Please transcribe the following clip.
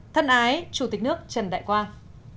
thân ái chủ tịch nước trần đại quang